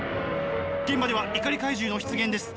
現場では怒り怪獣の出現です。